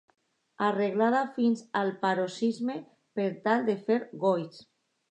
Arreglada fins al paroxisme, per tal de fer goig.